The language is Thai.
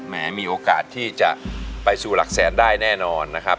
มีโอกาสที่จะไปสู่หลักแสนได้แน่นอนนะครับ